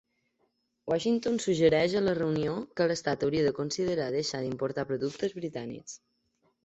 Washington suggereix a la reunió que l'Estat hauria de considerar deixar d'importar productes britànics.